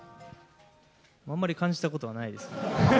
あんまり感じたことはないです。